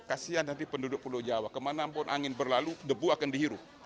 kasian nanti penduduk pulau jawa kemanapun angin berlalu debu akan dihirup